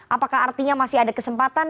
apakah artinya masih ada kesempatan